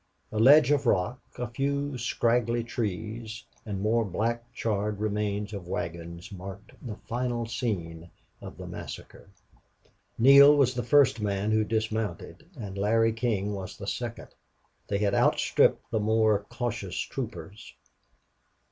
A ledge of rock, a few scraggy trees, and more black, charred remains of wagons marked the final scene of the massacre. Neale was the first man who dismounted, and Larry King was the second. They had outstripped the more cautious troopers.